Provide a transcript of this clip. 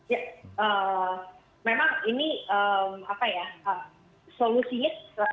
ya memang ini apa ya solusinya